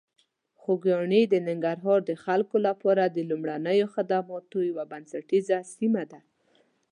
خوږیاڼي د ننګرهار د خلکو لپاره د لومړنیو خدماتو یوه بنسټیزه سیمه ده.